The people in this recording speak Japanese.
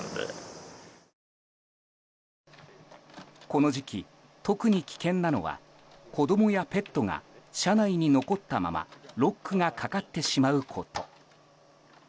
この時期、特に危険なのは子供やペットが車内に残ったままロックがかかってしまうこと。